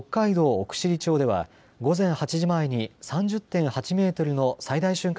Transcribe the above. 奥尻町では午前８時前に３０．８メートルの最大瞬間